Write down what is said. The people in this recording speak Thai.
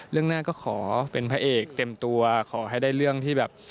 เรื่องหน้าก็ขอเป็นพระเอกเต็มตัวขอให้ได้เรื่องที่แบบ